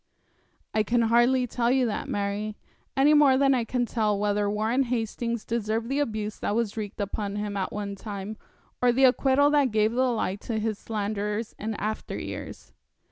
'I can hardly tell you that, Mary, any more than I can tell whether Warren Hastings deserved the abuse that was wreaked upon him at one time, or the acquittal that gave the lie to his slanderers in after years.